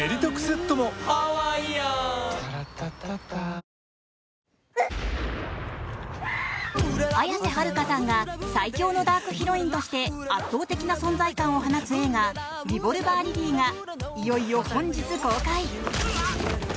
明治おいしい牛乳綾瀬はるかさんが最強のダークヒロインとして圧倒的な存在感を放つ映画「リボルバー・リリー」がいよいよ本日公開。